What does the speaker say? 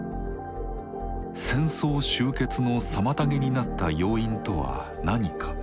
戦争終結の妨げになった要因とは何か？